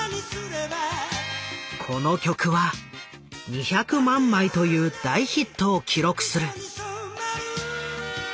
この曲は２００万枚という大ヒットを記録する。